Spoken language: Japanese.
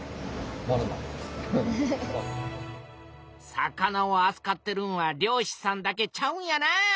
魚をあつかってるんは漁師さんだけちゃうんやな。